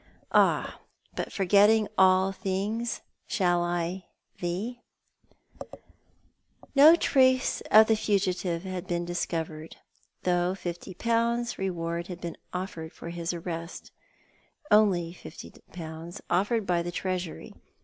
AH, BUT, FORGETTING ALL THINGS, SHALL I THEE ?" No trace of the fugitive had been discovered, though £50 reward had been offered for his arrest only £50, offered by the Treasury.